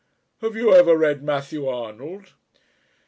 Have you ever read Matthew Arnold?"